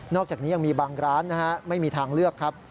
อกจากนี้ยังมีบางร้านนะฮะไม่มีทางเลือกครับ